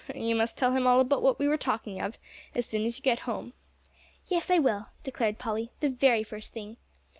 "You must tell him all about what we are talking of, as soon as you get home." "Yes, I will," declared Polly, "the very first thing.